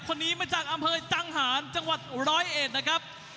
คนนี้มาจากอำเภอจังหารจังหวัดร้อยเอ็ดนะครับ